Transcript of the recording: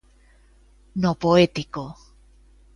No poético.